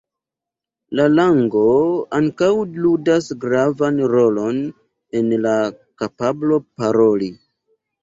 La lango ankaŭ ludas gravan rolon en la kapablo paroli.